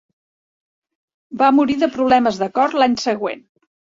Va morir de problemes de cor l"any següent.